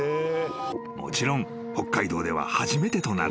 ［もちろん北海道では初めてとなる］